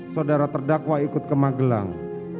saudara terdakwa ikut ke magelang